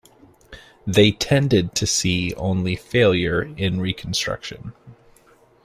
They tended to see only failure in Reconstruction.